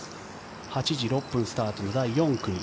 ８時６分スタートの第４組。